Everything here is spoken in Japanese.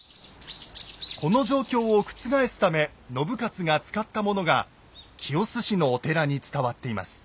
この状況を覆すため信雄が使ったものが清須市のお寺に伝わっています。